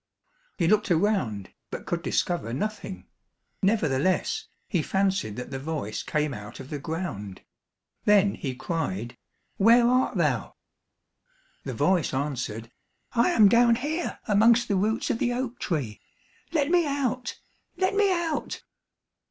He looked around, but could discover nothing; nevertheless, he fancied that the voice came out of the ground. Then he cried, "Where art thou?" The voice answered, "I am down here amongst the roots of the oak tree. Let me out! Let me out!"